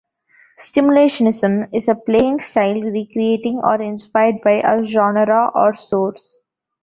Simulationism is a playing style recreating, or inspired by, a genre or source.